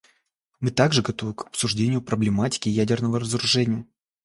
Мы также готовы к обсуждению проблематики ядерного разоружения.